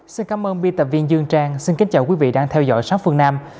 xin cảm ơn biên tập viên dương trang xin kính chào quý vị đang theo dõi xóm phương nam